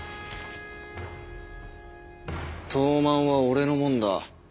東卍は俺のもんだ。